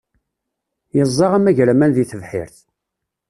Yeẓẓa amagraman deg tebḥirt.